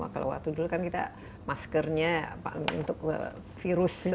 kalau waktu dulu kan kita maskernya untuk virus